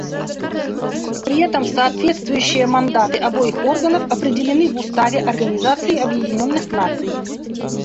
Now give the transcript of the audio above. При этом соответствующие мандаты обоих органов определены в Уставе Организации Объединенных Наций.